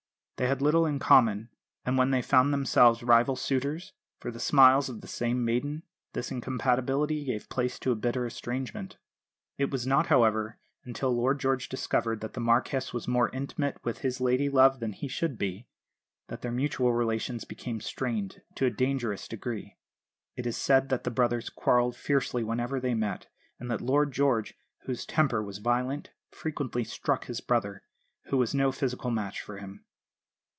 They had little in common; and when they found themselves rival suitors for the smiles of the same maiden this incompatibility gave place to a bitter estrangement. It was not, however, until Lord George discovered that the Marquess was more intimate with his ladylove than he should be, that their mutual relations became strained to a dangerous degree. It is said that the brothers quarrelled fiercely whenever they met, and that Lord George, whose temper was violent, frequently struck his brother, who was no physical match for him.